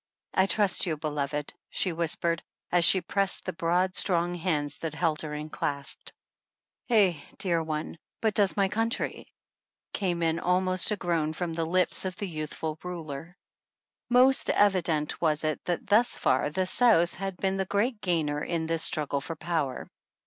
I trust 3^ou, beloved," she whispered, as she pressed the broad, strong hands that held her en clasped. " Ay, dear one, but does my country ?" came in almost a groan from the lips of the youthful ruler. Most evident was it, that thus far the South had been the great gainer in this struggle for power.